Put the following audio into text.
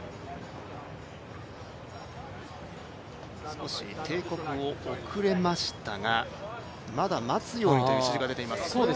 少し、定刻を遅れましたがまだ待つようにという指示が出ています。